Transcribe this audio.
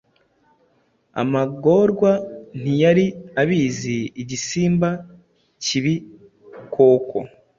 Amagorwa ntiyari abizi Igisimba kibi koko